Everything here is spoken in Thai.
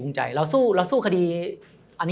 ไม่รู้ครับ